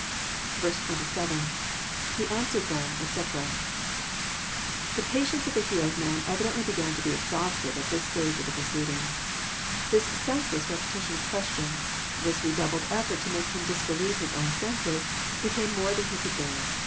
27. — IBs answered them, etc.l The patience of the healed man evidently began to be exhausted at this stage of the pro ceedings. This senseless repetition of questions, this re doubled effort to make him disbelieve his own senses, became more than he could bear.